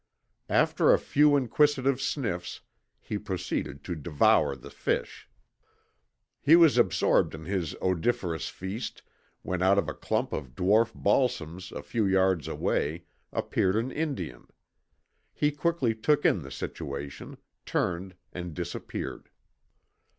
After a few inquisitive sniffs he proceeded to devour the fish. He was absorbed in his odoriferous feast when out of a clump of dwarf balsams a few yards away appeared an Indian. He quickly took in the situation, turned, and disappeared.